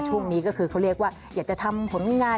ช่วงนี้ก็คือเขาเรียกว่าอยากจะทำผลงาน